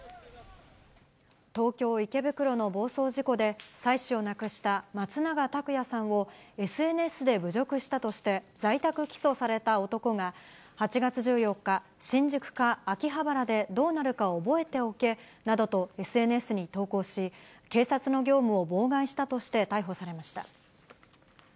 東京・池袋の暴走事故で、妻子を亡くした松永拓也さんを、ＳＮＳで侮辱したとして、在宅起訴された男が、８月１４日、新宿か秋葉原でどーなるか覚えておけなどとＳＮＳに投稿し、警察の業務を妨害したとして逮捕されました。